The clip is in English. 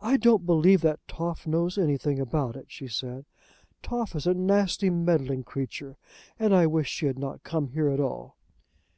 "I don't believe that Toff knows anything about it," she said. "Toff is a nasty, meddling creature, and I wish she had not come here at all."